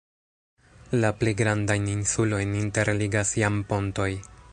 La pli grandajn insulojn interligas jam pontoj.